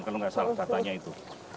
kalau nggak salah katanya itu